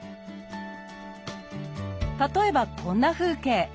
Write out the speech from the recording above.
例えばこんな風景。